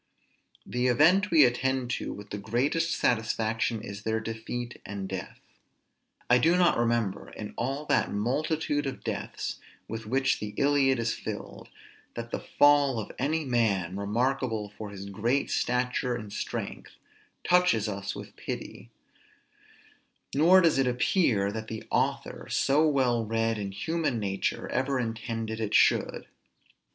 The event we attend to with the greatest satisfaction is their defeat and death. I do not remember, in all that multitude of deaths with which the Iliad is filled, that the fall of any man, remarkable for his great stature and strength, touches us with pity; nor does it appear that the author, so well read in human nature, ever intended it should.